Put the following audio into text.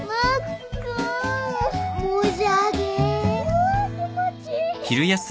わあ気持ちいい。